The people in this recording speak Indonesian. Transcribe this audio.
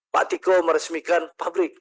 pak tiko meresmikan pabrik